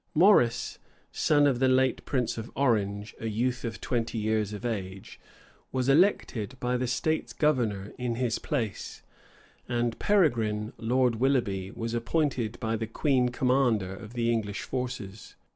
Maurice son of the late prince of Orange, a youth of twenty years of age, was elected by the states governor in his place; and Peregrine Lord Willoughby was appointed by the queen commander of the English forces.